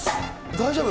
大丈夫？